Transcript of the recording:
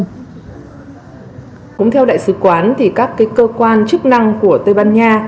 cũng theo đại sứ quán thì các cơ quan chức năng của tây ban nha